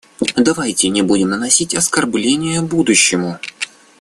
Давайте не будем наносить оскорбления будущему.